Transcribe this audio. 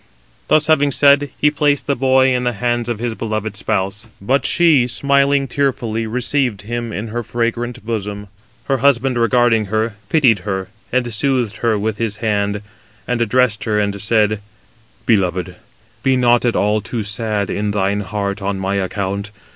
Thus having said, he placed the boy in the hands of his beloved spouse; but she smiling tearfully received him in her fragrant bosom. Her husband regarding her, pitied her, and soothed her with his hand, and addressed her, and said: "Beloved, be not at all too sad in thine heart on my account.